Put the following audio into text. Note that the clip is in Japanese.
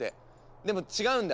でも違うんだ。